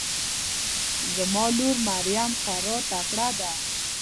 زما لور مريم خواره تکړه ده